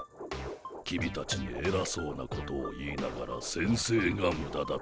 君たちにえらそうなことを言いながら先生がムダだったんだ。